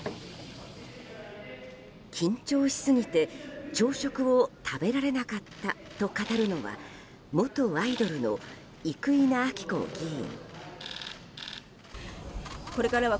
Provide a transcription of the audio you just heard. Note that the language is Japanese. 緊張しすぎて、朝食を食べられなかったと語るのは元アイドルの生稲晃子議員。